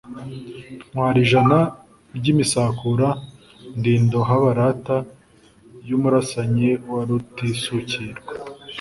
ntwara ijana ry' imisakura ndi Indoha barata y'umurasanyi wa Rutisukirwa